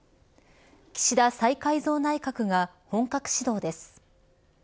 岸田再改造内閣が本格始動です。